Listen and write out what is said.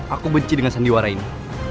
aku benci dengan sandiwara ini